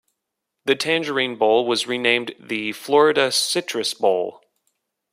The Tangerine Bowl was renamed the Florida Citrus Bowl.